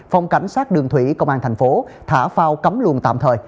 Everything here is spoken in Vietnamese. phòng cảnh sát đường thủy công an thành phố thả phao cấm luôn tạm thời